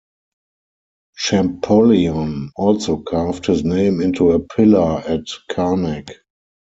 Champollion also carved his name into a pillar at Karnak.